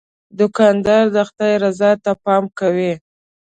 دوکاندار د خدای رضا ته پام کوي.